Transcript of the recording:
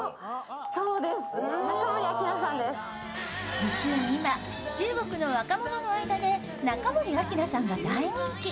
実は今、中国の若者の間で中森明菜さんが大人気。